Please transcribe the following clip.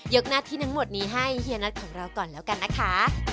กหน้าที่ทั้งหมดนี้ให้เฮียน็อตของเราก่อนแล้วกันนะคะ